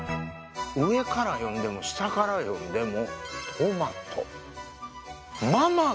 上から読んでも下から読んでも。